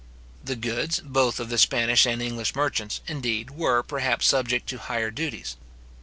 The goods, both of the Spanish and English merchants, indeed, were, perhaps, subject to higher duties.